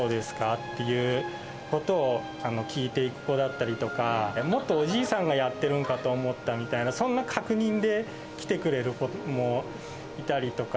っていうことを聞いていく子だったりとか、もっとおじいさんがやってるんかと思ったみたいな、そんな確認で来てくれる子もいたりとか。